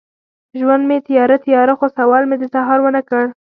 ژوند مې تیاره، تیاره، خو سوال مې د سهار ونه کړ